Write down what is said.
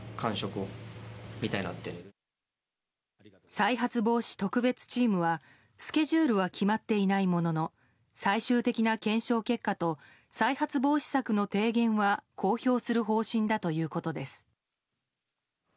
再発防止特別チームはスケジュールは決まっていないものの最終的な検証結果と再発防止策の提言は公表する方針だということです。